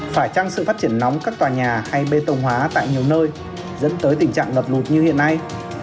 phải chăng sự phát triển nóng các tòa nhà hay bê tông hóa tại nhiều nơi dẫn tới tình trạng ngập lụt như hiện nay